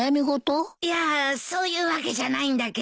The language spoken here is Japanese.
いやそういうわけじゃないんだけど。